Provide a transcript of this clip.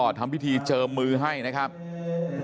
เห็นไหมฮะทำวิธีเจิมมือให้ด้วยโอ้โหสามแสนสามหมื่นล้านบาทฮะ